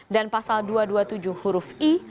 dan pasal dua ratus dua puluh tujuh huruf i